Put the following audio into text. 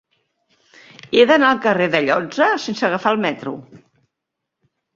He d'anar al carrer d'Alloza sense agafar el metro.